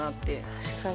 確かに。